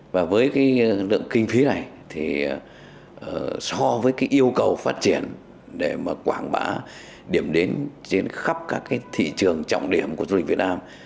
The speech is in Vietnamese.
và với lượng kinh phí này so với yêu cầu phát triển để quảng bá điểm đến trên khắp các thị trường trọng điểm của du lịch việt nam